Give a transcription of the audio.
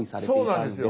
そうなんですよ！